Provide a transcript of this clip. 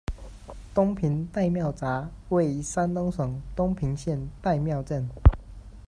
东平戴庙闸，位于山东省东平县戴庙镇。